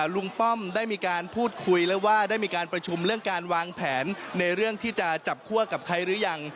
ป้อมได้มีการพูดคุยแล้วว่าได้มีการประชุมเรื่องการวางแผนในเรื่องที่จะจับคั่วกับใครหรือยัง